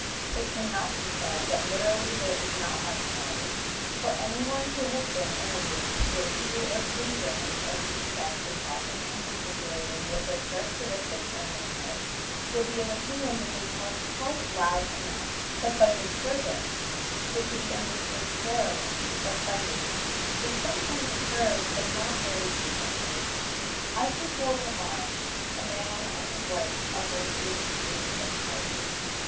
It can not be said that literally there is not much noise, for any one who has been in a room where two or three Germans of each sex were talking and gesticulating with their characteristic earnestness will be of opinion that they talked quite loud enough; but by disturbance is to be understood quarreling or fighting, which sometimes occurs, but not very frequently. As before remarked, a man and his wife are mostly the keepers of such houses.